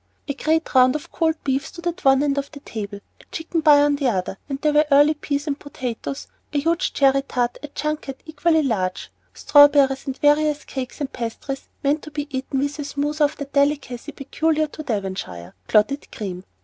A great round of cold beef stood at one end of the table, a chicken pie at the other, and there were early peas and potatoes, a huge cherry tart, a "junket" equally large, strawberries, and various cakes and pastries, meant to be eaten with a smother of that delicacy peculiar to Devonshire, clotted cream.